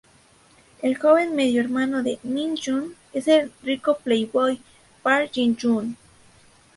El joven medio hermano de Min Joon es el rico playboy, Park Jae Joon.